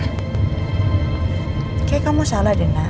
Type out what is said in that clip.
kayaknya kamu salah deh na